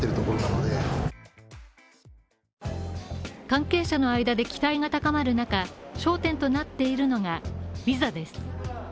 関係者の間で期待が高まる中、焦点となっているのがビザです。